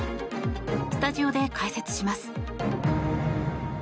スタジオで解説します。